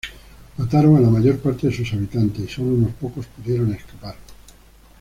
Mataron a la mayor parte de sus habitantes y solo unos pocos pudieron escapar.